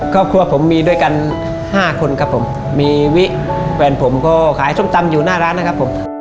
ครอบครัวผมมีเดียวกัน๕คนครับมีเว้นผมขายส้มตำอยู่หน้าร้านนะครับ